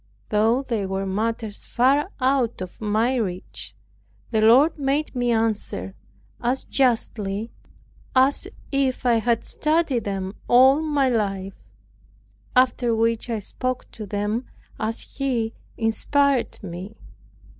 Though they were matters far out of my reach, the Lord made me answer as justly as if I had studied them all my life; after which I spoke to them as He inspired me.